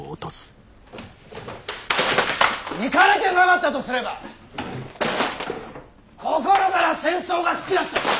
イカれてなかったとすれば心から戦争が好きだったのだ！